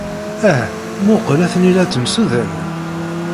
Ah, mmuqqel, atni la ttemsudanen!